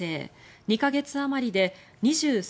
２か月あまりで２３